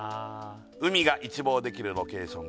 「海が一望できるロケーションで」